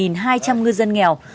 một hai trăm linh ngư dân nghèo